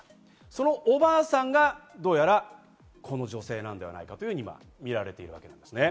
そのおばあさんがどうやらこの女性なのではないかと見られています。